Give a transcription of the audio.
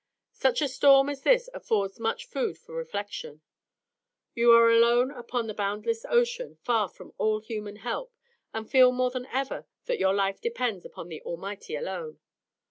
Such a storm as this affords much food for reflection. You are alone upon the boundless ocean, far from all human help, and feel more than ever that your life depends upon the Almighty alone.